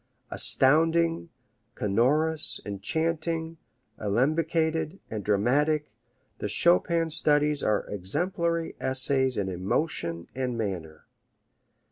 Astounding, canorous, enchanting, alembicated and dramatic, the Chopin studies are exemplary essays in emotion and manner.